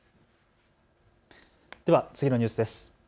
では次のニュースです。